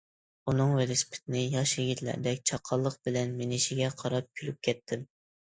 ئۇنىڭ ۋېلىسىپىتىنى ياش يىگىتلەردەك چاققانلىق بىلەن مىنىشىگە قاراپ كۈلۈپ كەتتىم.